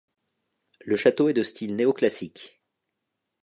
Le château est de style néo-classique.